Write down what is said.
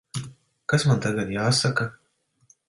Kas man tagad jāsaka?